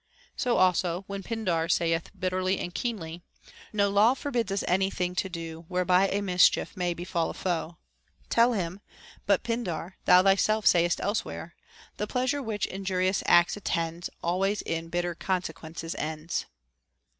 57 So also, when Pindar saith bitterly and keenly, No law forbids us any thing to do, Whereby a mischief may befall a foe, tell him : But, Pindar, thou thyself sayest elsewhere. The pleasure which injurious acts attends Always in bitter consequences ends.